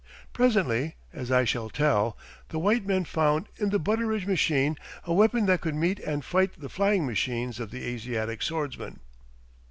Presently, as I shall tell, the white men found in the Butteridge machine a weapon that could meet and fight the flying machines of the Asiatic swordsman.